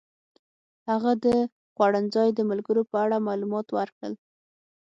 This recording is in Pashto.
هغه د خوړنځای د ملګرو په اړه معلومات ورکړل.